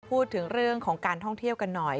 พูดถึงเรื่องของการท่องเที่ยวกันหน่อย